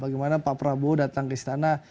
bagaimana pak prabowo datang ke istana